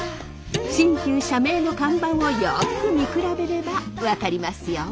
新旧社名の看板をよく見比べれば分かりますよ。